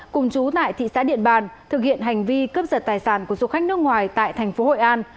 cùng chú tại thị xã điện bàn thực hiện hành vi cướp sật tài sản của du khách nước ngoài tại tp hội an